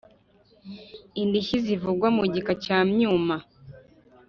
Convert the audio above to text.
indishyi zivugwa mu gika cya myuma